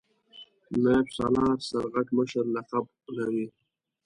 نایب سالار سرغټ مشر لقب لري.